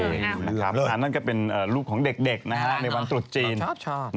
โอเคนะครับอันนั้นก็เป็นลูกของเด็กนะครับในวันตรวจจีนชอบ